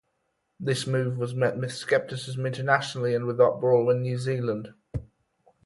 This move was met with scepticism internationally and with uproar in New Zealand.